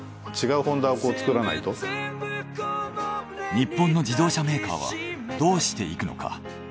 日本の自動車メーカーはどうしていくのか。